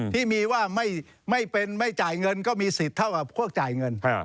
ที่มีว่าไม่เป็นไม่จ่ายเงินก็มีสิทธิ์เท่ากับพวกจ่ายเงิน